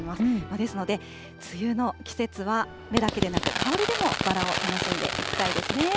ですので、梅雨の季節は目だけでなく、香りでもバラを楽しんでいきたいですね。